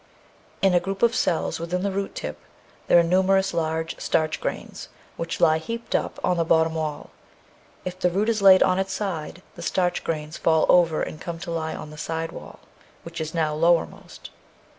In a group of cells within the root tip there are numerous large starch grains which lie heaped up on the bottom wall. If the root is laid on its side the starch grains fall over and come to lie on the side wall, which is now lowermost.